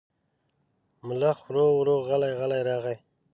ملخ ورو ورو غلی غلی راغی.